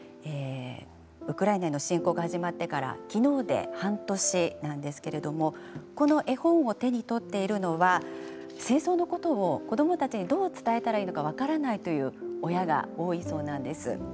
ウクライナへの侵攻が始まってから昨日で半年なんですけれどもこの絵本を手に取っているのは戦争のことを子どもたちにどう伝えたらよいのか分からないという親が多いそうなんです。